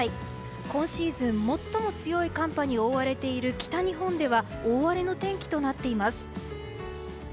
今シーズン最も強い寒波におおわれている北日本では大荒れの天気となっています。